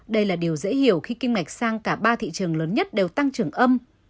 đây là điều dễ hiểu khi kim ngạch sang cả ba thị trường lớn nhất đều tăng trưởng âm